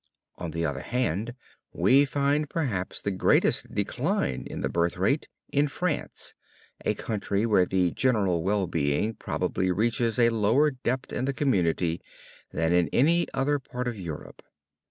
On the other hand, we find perhaps the greatest decline in the birth rate in France, a country where the general well being probably reaches a lower depth in the community than in any other part of Europe.